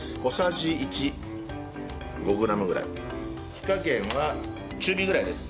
火加減は中火ぐらいです。